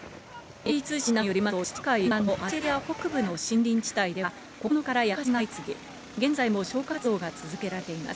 ＡＰ通信などによりますと、地中海沿岸のアルジェリア北部の森林地帯では９日から山火事が相次ぎ、現在も消火活動が続けられています。